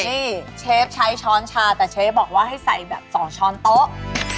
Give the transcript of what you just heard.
นี่เชฟใช้ช้อนชาแต่เชฟบอกว่าให้ใส่แบบ๒ช้อนโต๊ะ